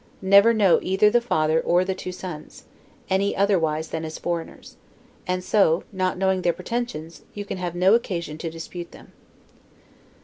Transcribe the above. Never know either the father or the two sons, any otherwise than as foreigners; and so, not knowing their pretensions, you have no occasion to dispute them.